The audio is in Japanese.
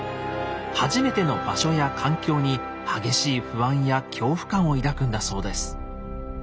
初めての場所や環境に激しい不安や恐怖感を抱くんだそうです。